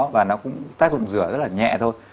và nó cũng tác dụng rửa rất là nhẹ thôi